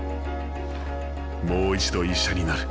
もう一度医者になる。